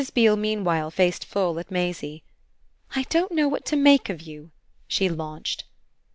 Beale meanwhile faced full at Maisie. "I don't know what to make of you!" she launched.